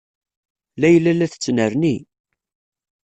Layla la tettnerni.